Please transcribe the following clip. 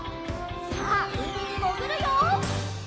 さあうみにもぐるよ！